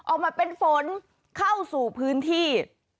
ออกมาเป็นฝนเข้าสู่พื้นที่